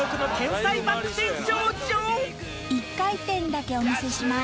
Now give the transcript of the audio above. １回転だけお見せします。